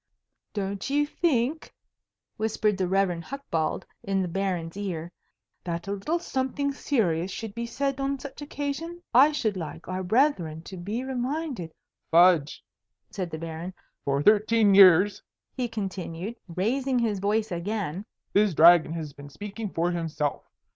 "Don't you think," whispered the Rev. Hucbald in the Baron's ear, "that a little something serious should be said on such an occasion? I should like our brethren to be reminded " "Fudge!" said the Baron. "For thirteen years," he continued, raising his voice again, "this Dragon has been speaking for himself.